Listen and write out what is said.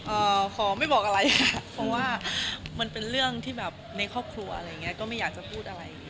ขอไม่บอกอะไรค่ะเพราะว่ามันเป็นเรื่องที่แบบในครอบครัวอะไรอย่างเงี้ก็ไม่อยากจะพูดอะไร